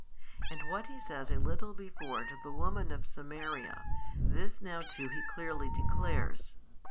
And what He says a little before to the woman of Samaria, this now too He clearly declares.